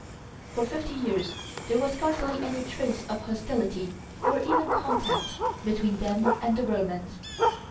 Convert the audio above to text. For fifty years there was scarcely any trace of hostility or even contact between them and the Romans.